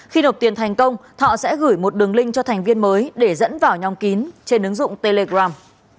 khi nộp tiền thành công thọ sẽ gửi một đường link cho thành viên mới để dẫn vào nhóm kín trên ứng dụng telegram